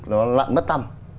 nó lặn mất tâm